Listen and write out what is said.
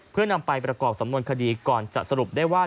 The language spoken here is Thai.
เพื่อนำไปประกอบสำนวนคดีก่อนจะสรุปได้ว่า